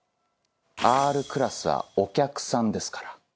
Ｒクラスはお客さんですから。